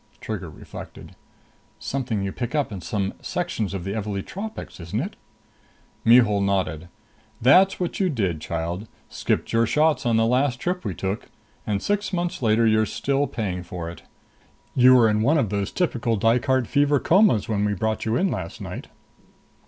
Trigger reflected. "Something you pick up in some sections of the Evalee tropics, isn't it?" Mihul nodded. "That's what you did, child! Skipped your shots on the last trip we took and six months later you're still paying for it. You were in one of those typical Dykart fever comas when we brought you in last night."